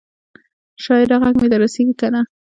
شاعره ږغ مي در رسیږي کنه؟